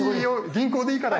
銀行でいいから。